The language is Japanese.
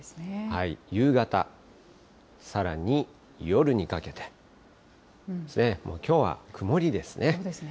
夕方、さらに夜にかけて、きょうは曇りですね。